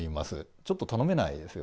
ちょっと頼めないですよ。